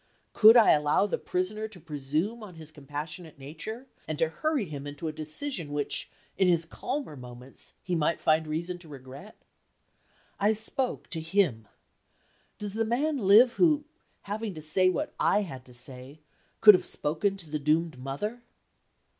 Could I allow the Prisoner to presume on his compassionate nature, and to hurry him into a decision which, in his calmer moments, he might find reason to regret? I spoke to him. Does the man live who having to say what I had to say could have spoken to the doomed mother?